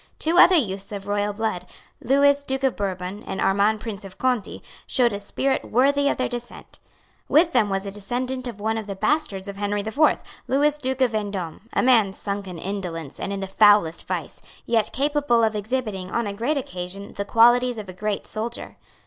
Two other youths of royal blood, Lewis Duke of Bourbon, and Armand Prince of Conti, showed a spirit worthy of their descent. With them was a descendant of one of the bastards of Henry the Fourth, Lewis Duke of Vendome, a man sunk in indolence and in the foulest vice, yet capable of exhibiting on a great occasion the qualities of a great soldier.